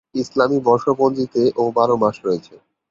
ইসলামি বর্ষপঞ্জিতে ও বারো মাস রয়েছে।